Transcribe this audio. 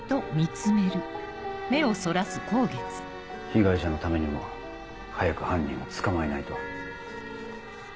被害者のためにも早く犯人を捕まえないと。